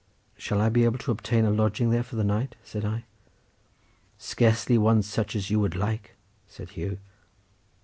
"Shall I be able to obtain a lodging there for the night?" said I. "Scarcely one such as you would like," said Hugh.